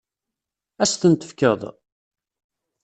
Ad as-ten-tefkeḍ?